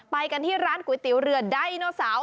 ไปกันที่ร้านก๋วยเตี๋ยวเรือไดโนเสาร์